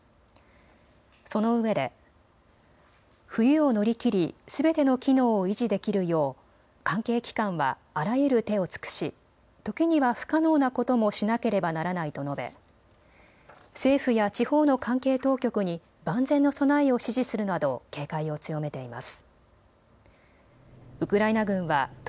そのうえで、冬を乗りきり、すべての機能を維持できるよう関係機関はあらゆる手を尽くし時には不可能なこともしなければならないと述べ、政府や地方の関係当局に万全の備えを指示するなど警戒を強めています。